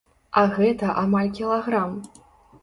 А гэта амаль кілаграм!